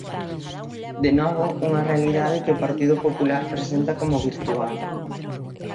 De novo, unha realidade que o Partido Popular presenta como virtual.